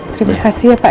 terima kasih ya pak